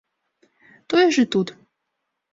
Тое ж і тут.